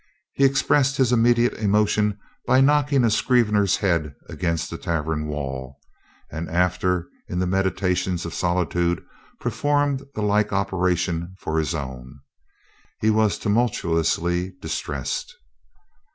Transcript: He expressed his immediate emo tion by knocking a scrivener's head against the tavern wall, and after, in the meditations of soli tude, performed the like operation for his own. He was tumultuously distressed.